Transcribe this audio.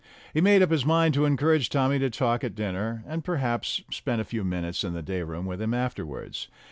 He made up his mind to encourage Tommy to talk at dinner, and, perhaps, spend a few minutes in the day room with him afterwards.